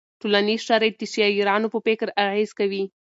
ټولنیز شرایط د شاعرانو په فکر اغېز کوي.